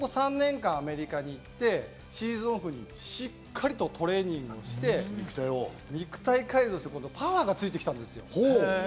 ここ３年間、アメリカに行ってシーズンオフにしっかりとトレーニングをして、肉体改造してパワーがついてきた。